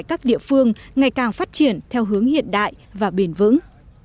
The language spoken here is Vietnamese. ở phương ngày càng phát triển theo hướng hiện đại và biên vững